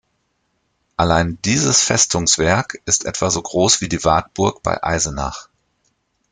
Allein dieses Festungswerk ist etwa so groß wie die Wartburg bei Eisenach.